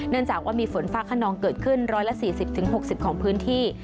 จากว่ามีฝนฟ้าขนองเกิดขึ้น๑๔๐๖๐ของพื้นที่